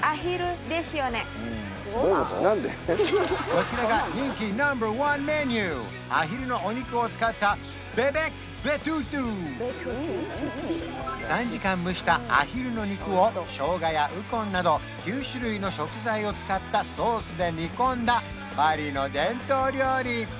こちらが人気ナンバーワンメニューアヒルのお肉を使った３時間蒸したアヒルの肉をショウガやウコンなど９種類の食材を使ったソースで煮込んだバリの伝統料理